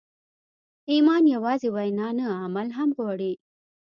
ایمان یوازې وینا نه، عمل هم غواړي.